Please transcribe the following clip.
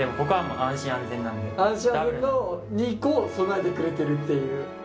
安心安全の２個備えてくれてるっていう。